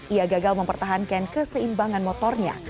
ia gagal mempertahankan keseimbangan motornya